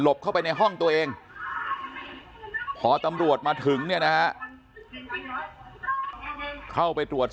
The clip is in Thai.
เข้าไปในห้องตัวเองพอตำรวจมาถึงเนี่ยนะฮะเข้าไปตรวจ